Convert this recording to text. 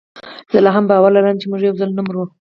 زه لا هم باور لرم چي موږ یوځل نه مرو